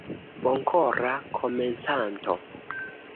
Bonkora Komencanto.